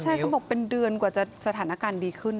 ใช่เขาบอกเป็นเดือนกว่าจะสถานการณ์ดีขึ้น